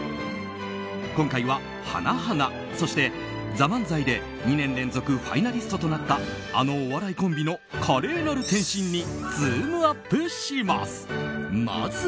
今回は花＊花、そして「ＴＨＥＭＡＮＺＡＩ」で２年連続ファイナリストとなったあのお笑いコンビの華麗なる転身にズームアップします。